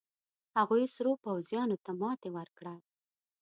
هغوې سرو پوځيانو ته ماتې ورکړه.